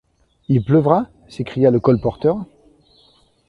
Il pleuvra?... s’écria le colporteur.